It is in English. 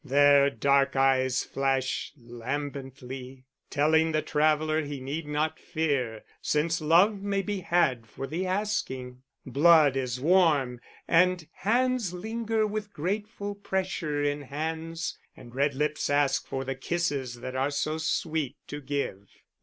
There dark eyes flash lambently, telling the traveller he need not fear, since love may be had for the asking. Blood is warm, and hands linger with grateful pressure in hands, and red lips ask for the kisses that are so sweet to give.